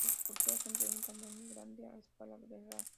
Sus esculturas son de un tamaño grande, a escala real.